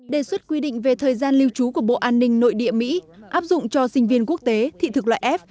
đề xuất quy định về thời gian lưu trú của bộ an ninh nội địa mỹ áp dụng cho sinh viên quốc tế thị thực loại f